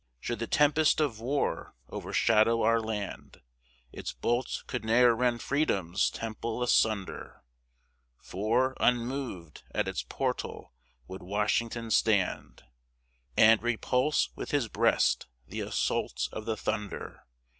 Should the tempest of war overshadow our land, Its bolts could ne'er rend Freedom's temple asunder; For, unmov'd, at its portal, would Washington stand, And repulse, with his breast, the assaults of the thunder!